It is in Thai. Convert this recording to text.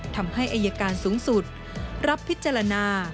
ทำให้อายการสูงสุดรับพิจารณา